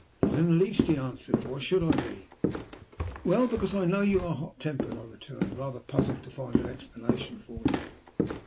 "Not in the least," he answered. "Why should I be?" "Well, because I know you are hot tempered," I returned, rather puzzled to find an explanation for him.